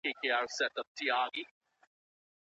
وزې په هوارو کي نه څرېږي.